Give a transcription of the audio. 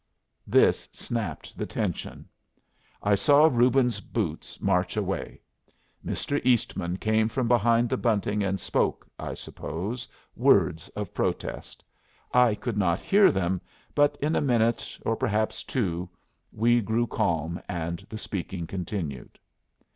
This snapped the tension. I saw Reuben's boots march away; Mr. Eastman came from behind the bunting and spoke (I suppose) words of protest. I could not hear them, but in a minute, or perhaps two, we grew calm, and the speaking continued.